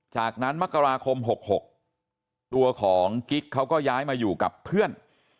จากนั้นมกราคม๖๖ตัวของกิ๊กเขาก็ย้ายมาอยู่กับเพื่อน